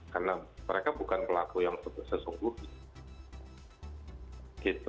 karena mereka bukan pelaku yang sesungguh